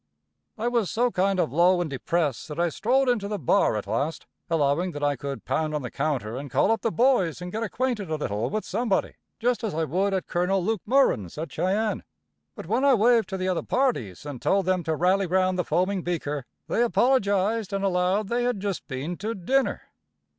I was so kind of low and depressed that I strolled in to the bar at last, allowing that I could pound on the counter and call up the boys and get acquainted a little with somebody, just as I would at Col. Luke Murrin's, at Cheyenne; but when I waved to the other parties, and told them to rally round the foaming beaker, they apologized, and allowed they had just been to dinner.